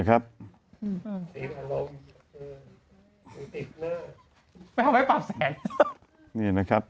ไม่ให้ปักแสงนี่นะครับ